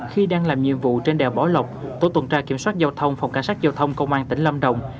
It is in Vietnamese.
khi đang làm nhiệm vụ trên đèo bảo lộc tổ tuần tra kiểm soát giao thông